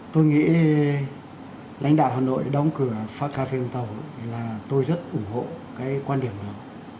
tôi nghĩ lãnh đạo hà nội đóng cửa phát cà phê vũng tàu là tôi rất ủng hộ cái quan điểm đó